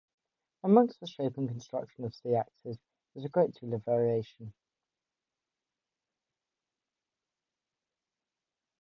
Amongst the shape and construction of seaxes there is a great deal of variation.